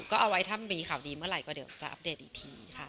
ก็เอาไว้ถ้ามีข่าวดีเมื่อไหร่ก็เดี๋ยวจะอัปเดตอีกทีค่ะ